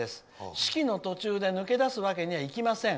式の途中で抜け出すわけにはいきません」。